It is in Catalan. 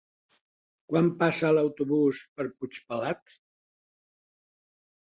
Quan passa l'autobús per Puigpelat?